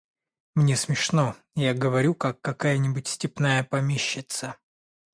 Мне смешно, я говорю, как какая-нибудь степная помещица.